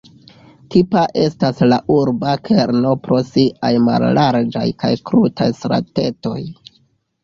Tipa estas la urba kerno pro siaj mallarĝaj kaj krutaj stratetoj.